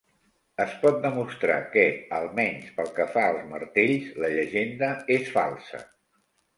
Es pot demostrar que, almenys pel que fa als martells, la llegenda és falsa.